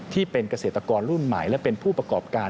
ที่เป็นเกษตรกรรุ่นใหม่และเป็นผู้ประกอบการ